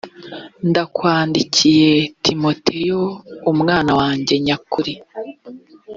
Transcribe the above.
ndakwandikiye timoteyo umwana wanjye nyakuri